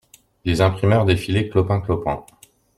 Les imprimeurs défilaient clopin-clopant.